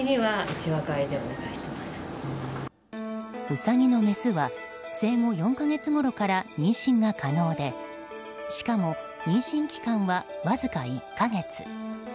ウサギのメスは生後４か月ころから妊娠が可能でしかも、妊娠期間はわずか１か月。